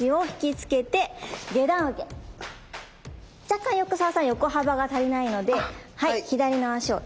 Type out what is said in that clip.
若干横澤さん横幅が足りないので左の足を。